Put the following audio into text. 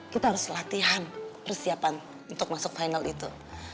kita harus latihan persiapan untuk masuk final itu